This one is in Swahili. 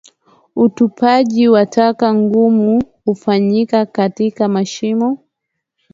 Utupaji wa taka ngumu hufanyika katika mashimo